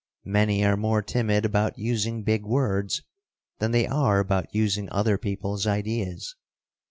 Many are more timid about using big words than they are about using other people's ideas.